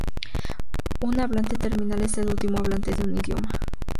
Un hablante terminal es el último hablante de un idioma.